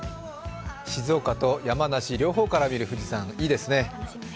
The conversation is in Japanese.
静岡と山梨、両方から見る富士山、いいですね。